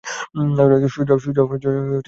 সোজা নিচের লাইন দিয়ে।